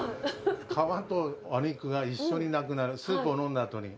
皮とお肉が一緒になくなる、スープを飲んだあとに。